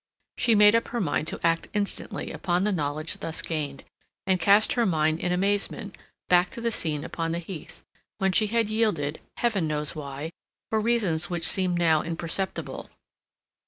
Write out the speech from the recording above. She made up her mind to act instantly upon the knowledge thus gained, and cast her mind in amazement back to the scene upon the heath, when she had yielded, heaven knows why, for reasons which seemed now imperceptible.